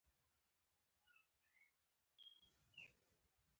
آیا د خپلوانو سره مرسته کول ثواب نه دی؟